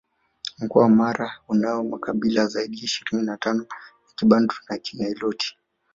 Mkoa wa Mara unayo makabila zaidi ya ishirini na tano ya Kibantu na Kiniloti